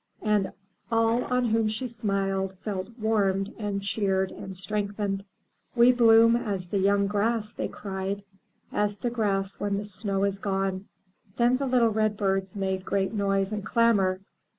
And all on whom she smiled felt warmed and cheered and strengthened. "We bloom as the young grass," they cried, "as the grass when the snow is gone." Then the little redbirds made great noise and clamor.